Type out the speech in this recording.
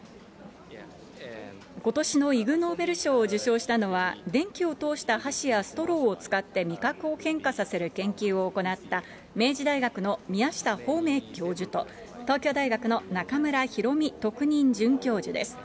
ことしのイグ・ノーベル賞を受賞したのは、電気を通した箸やストローを使って味覚を変化させる研究を行った明治大学の宮下芳明教授と、東京大学の中村裕美特任准教授です。